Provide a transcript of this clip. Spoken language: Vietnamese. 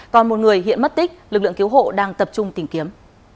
còn một người hiện mất tích lực lượng cứu hộ đang tập trung tìm kiếm